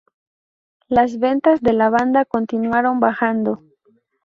Las ventas de la banda continuaron bajando.